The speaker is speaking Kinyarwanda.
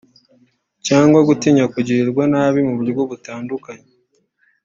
cyangwa gutinya kugirirwa nabi mu buryo butandukanye